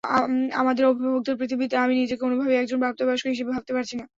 আমাদের অভিভাবকদের পৃথিবীতে আমি নিজেকে কোনোভাবেই একজন প্রাপ্তবয়স্ক হিসেবে ভাবতে পারছি না।